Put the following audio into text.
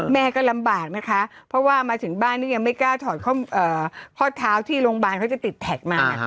แม่ก็ลำบากนะคะเพราะว่ามาถึงบ้านนี่ยังไม่กล้าถอดข้อเท้าที่โรงพยาบาลเขาจะติดแท็กมา